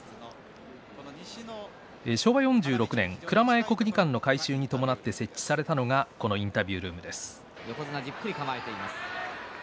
昭和４６年、蔵前国技館の改修に伴って設置されたのがこのインタビュールームです。